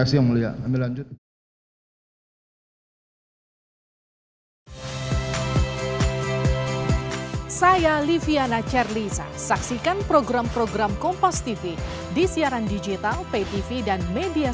silahkan pak dilanjutkan supaya dia sedikit lagi yang mulia